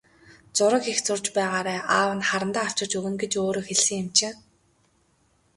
Зураг их зурж байгаарай, аав нь харандаа авчирч өгнө гэж өөрөө хэлсэн юм чинь.